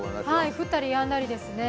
降ったりやんだりですね。